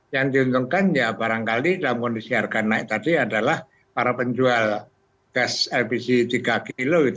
yang diuntungkan ya barangkali dalam kondisi harga naik tadi adalah para penjual gas lpg tiga kg